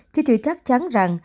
chứ chưa chắc chắn rằng